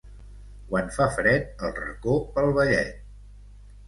Quan fa fred, el racó pel vellet.